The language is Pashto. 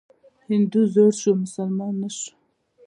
هندو زوړ شو، مسلمان نه شو.